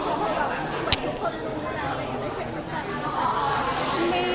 ก็ถามกันแล้ว